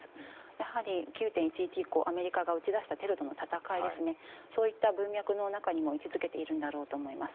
やはり９・１１以降アメリカが打ち出したテロとの戦いですねそういった文脈の中にも位置付けているんだろうと思います。